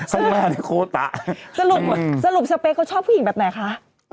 ข้างแม่โฮตะสรุปสเปกเขาชอบผู้หญิงแบบไหนคะ